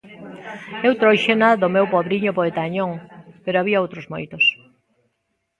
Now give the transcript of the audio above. Eu tróuxena do meu pobriño poeta Añón, pero había outros moitos.